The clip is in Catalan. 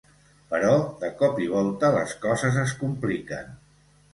Però de cop i volta, les coses es compliquen.